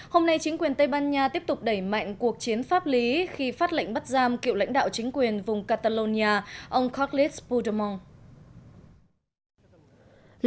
hôm nay chính quyền tây ban nha tiếp tục đẩy mạnh cuộc chiến pháp lý khi phát lệnh bắt giam cựu lãnh đạo chính quyền vùng catalonia ông karles pudermon